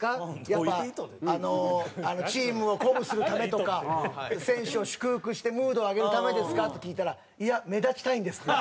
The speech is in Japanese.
「やっぱあのチームを鼓舞するためとか選手を祝福してムードを上げるためですか？」って聞いたら「いや目立ちたいんです」って。